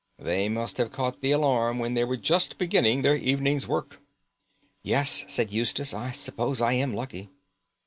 They must have caught the alarm when they were just beginning their evening's work." "Yes," said Eustace, "I suppose I am lucky."